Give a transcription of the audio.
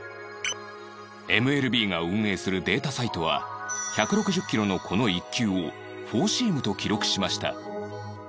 ＭＬＢ が運営するデータサイトは１６０キロのこの１球をフォーシームと記録しました